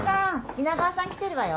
皆川さん来てるわよ。